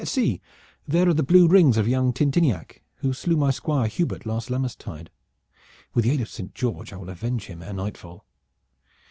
See, there are the blue rings of young Tintiniac, who slew my Squire Hubert last Lammastide. With the aid of Saint George I will avenge him ere nightfall."